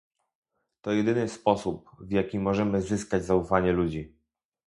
To jedyny sposób, w jaki możemy zyskać zaufanie ludzi